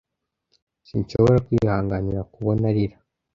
sinshobora kwihanganira kubona arira